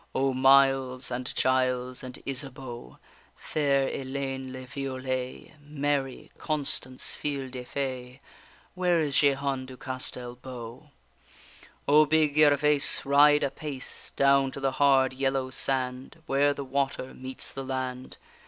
O Miles, and Giles, and Isabeau, Fair Ellayne le Violet, Mary, Constance fille de fay! Where is Jehane du Castel beau? O big Gervaise ride apace! Down to the hard yellow sand, Where the water meets the land.